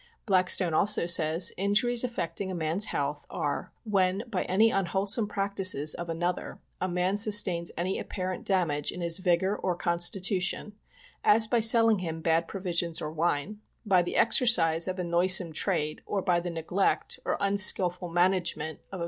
Blackstone also sajs : Injuries affecting a man's health are, when by any unwholesome practices of another, a man sus tains any apparent damage in his vigor or constitution, as by selling him bad provisions or wine ; by the exercise of a noisome trade oi by the neglect or unskilful management of POISONING BY CANNED GOODB.